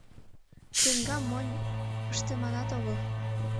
Кремгам монь пыштыманат огыл.